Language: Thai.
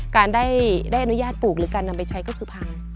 การได้อนุญาตปลูกหรือการนำไปใช้ก็คือพัง